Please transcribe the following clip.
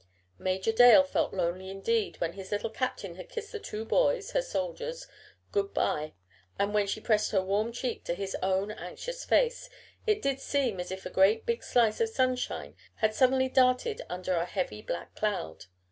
Major Dale felt lonely indeed when his Little Captain had kissed the two boys her soldiers good bye, and, when she pressed her warm cheek to his own anxious face, it did seem as if a great big slice of sunshine had suddenly darted under a heavy black cloud.